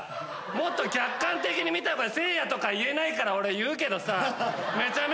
もっと客観的に見た場合せいやとか言えないから俺言うけどさ。